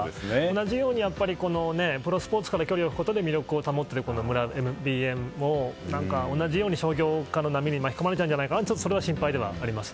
同じようにプロスポーツから距離を置くことで村ＢＡも同じように商業化の波に巻き込まれちゃうんじゃないかなとそれは心配ではあります。